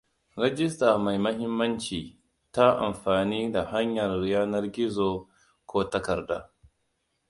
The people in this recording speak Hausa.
rajista mai mahimmanci ta amfani da hanyar yanar gizo ko takarda